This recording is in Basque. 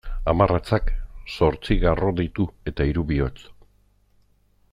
Hamarratzak zortzi garro ditu eta hiru bihotz.